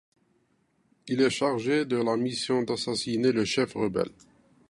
Il est chargé de la mission d'assassiner le chef rebelle.